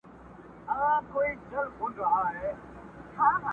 یو مذهب دی یو کتاب دی ورک د هر قدم حساب دی!.